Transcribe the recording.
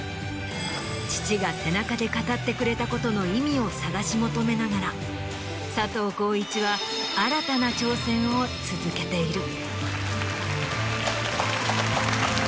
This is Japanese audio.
父が背中で語ってくれたことの意味を探し求めながら佐藤浩市は新たな挑戦を続けている。